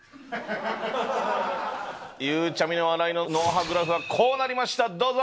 ゆうちゃみの笑いの脳波グラフはこうなりましたどうぞ。